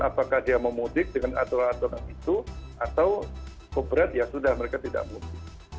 apakah dia mau mudik dengan aturan aturan itu atau keberat ya sudah mereka tidak mudik